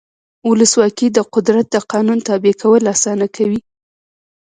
ولسواکي د قدرت د قانون تابع کول اسانه کوي.